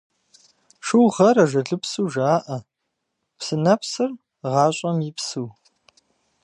Шыугъэр ажалыпсу жаӀэ, псынэпсыр – гъащӀэм и псыу.